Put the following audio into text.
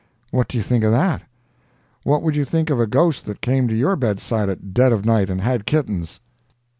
What do you think of that? what would you think of a ghost that came to your bedside at dead of night and had kittens?